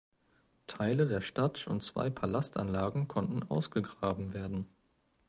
Teile der Stadt und zwei Palastanlagen konnten ausgegraben werden.